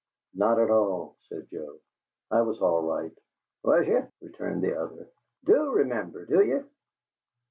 "Not at all," said Joe. "I was all right." "Was ye?" returned the other. "DO remember, do ye?"